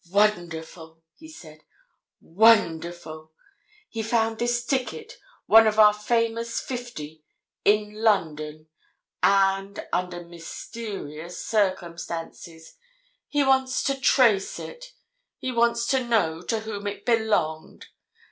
"Wonderful!" he said. "Wonderful! He found this ticket—one of our famous fifty—in London, and under mysterious circumstances. He wants to trace it—he wants to know to whom it belonged!